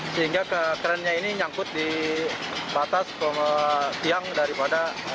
sehingga kerennya ini nyangkut di batas tiang daripada